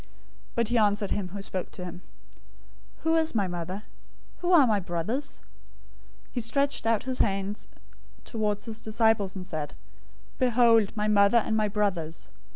012:048 But he answered him who spoke to him, "Who is my mother? Who are my brothers?" 012:049 He stretched out his hand towards his disciples, and said, "Behold, my mother and my brothers!